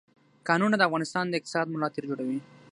کانونه د افغانستان د اقتصاد ملا تیر جوړوي.